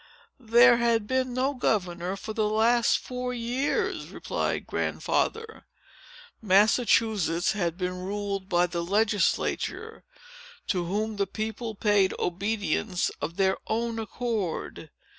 "There had been no governor for the last four years," replied Grandfather. "Massachusetts had been ruled by the legislature, to whom the people paid obedience of their own accord.